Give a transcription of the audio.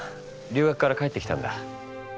留学から帰ってきたんだ。